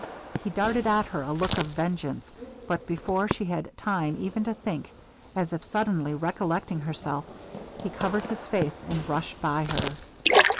He darted at her a look of vengeance; but before she had time even to think, as if suddenly recollecting himself, he covered his face, and rushed by her.